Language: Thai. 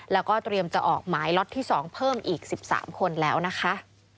แล้วก็เตรียมจะออกหมายล็อตที่๒เพิ่มอีก๑๓คนแล้วนะคะ